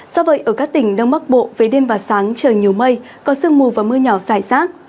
do vậy ở các tỉnh đông bắc bộ về đêm và sáng trời nhiều mây có sương mù và mưa nhỏ dài rác